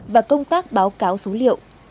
và công tác báo cáo số liệu